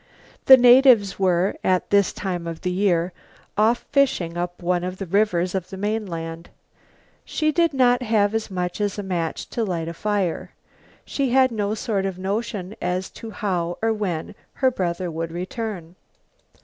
The natives were, at this time of the year, off fishing up one of the rivers of the mainland. She did not have as much as a match to light a fire. She had no sort of notion as to how or when her brother would return.